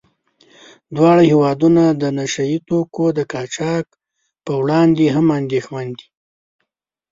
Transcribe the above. دواړه هېوادونه د نشه يي توکو د قاچاق په وړاندې هم اندېښمن دي.